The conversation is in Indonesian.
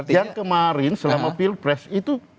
yang kemarin selama pilpres itu